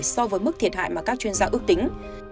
so với mức thiệt hại mà các chuyên gia ước tính